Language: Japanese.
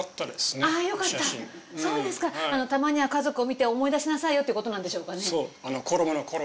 たまには家族を見て思い出しなさいよ。ってことなんでしょうかね？